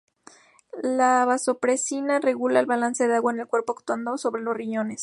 La vasopresina regula el balance de agua en el cuerpo actuando sobre los riñones.